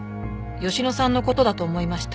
佳乃さんの事だと思いました。